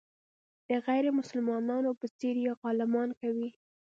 د غیر مسلمانانو په څېر یې غلامان کوي.